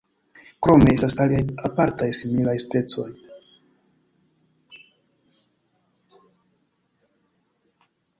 Krome estas aliaj apartaj similaj specoj.